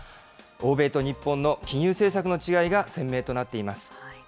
欧米と日本の金融政策の違いが鮮明となっています。